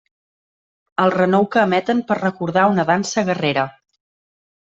El renou que emeten pot recordar una dansa guerrera.